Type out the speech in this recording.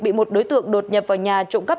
bị một đối tượng đột nhập vào nhà trụng cấp